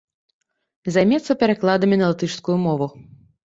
Займаецца перакладамі на латышскую мову.